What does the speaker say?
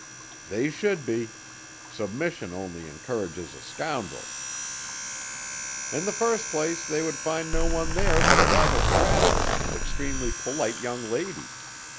"They should be. Submission only encourages a scoundrel." "In the first place they would find no one there but a rather fragile and extremely polite young lady.